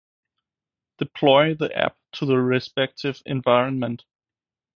Deploy the app to the respective environment